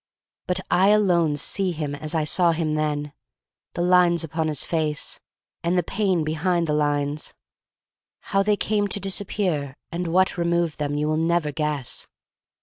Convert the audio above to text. But I alone see him as I saw him then, the lines upon his face, and the pain behind the lines; how they came to disappear, and what removed them, you will never guess.